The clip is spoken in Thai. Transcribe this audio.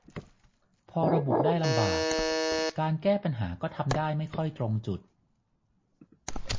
พอระบุได้ลำบาก การแก้ปัญหาก็ทำได้ไม่ค่อยตรงจุด